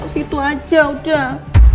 situ aja udah